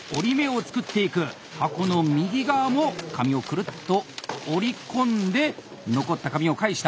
箱の右側も紙をくるっと折り込んで残った紙を返した。